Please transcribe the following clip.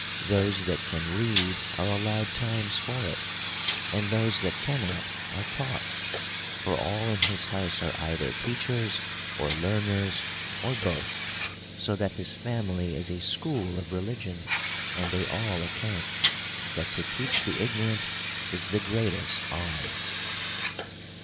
— Those that can read, are allowed times for it ; and those that cannot, are taught : for all in his house are either teachers, or learners, or both ; so that his family is a school of religion : and they all account, that to teach the ignorant is the greatest alms.